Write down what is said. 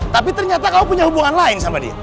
tapi ternyata kamu punya hubungan lain sama dia